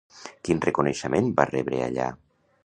Quin reconeixement va rebre allà?